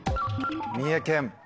「三重県」。